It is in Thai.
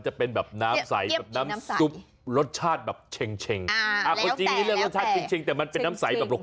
จะเป็นน้ำใสน้ำซุปรสชาติเช็งแต่มันเป็นน้ำใส